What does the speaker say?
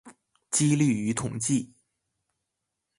機率與統計